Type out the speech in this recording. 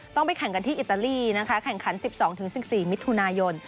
ต้องไปแข่งกันที่อิตาลีนะคะแข่งขัน๑๒๑๔มิถุนายน